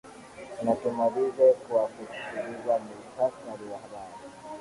na tumalize kwa kusikiliza muhtasari wa habari